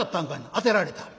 「当てられた」。